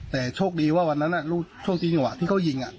แต่โชคดีว่าวันนั้นโชคดีกว่าที่เขายิง